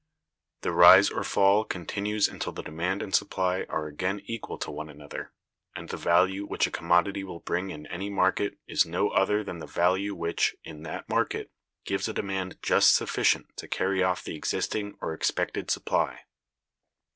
The rise or the fall continues until the demand and supply are again equal to one another: and the value which a commodity will bring in any market is no other than the value which, in that market, gives a demand just sufficient to carry off the existing or expected supply.